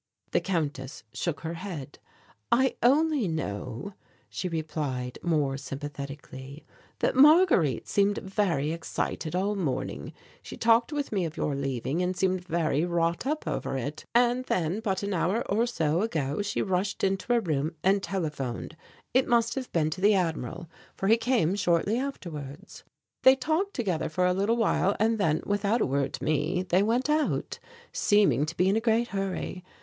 The Countess shook her head. "I only know," she replied more sympathetically, "that Marguerite seemed very excited all morning. She talked with me of your leaving and seemed very wrought up over it, and then but an hour or so ago she rushed into her room and telephoned it must have been to the Admiral, for he came shortly afterwards. They talked together for a little while and then, without a word to me they went out, seeming to be in a great hurry.